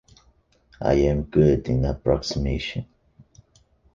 I am good in approximation.